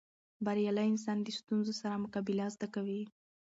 بریالی انسان د ستونزو سره مقابله زده کوي.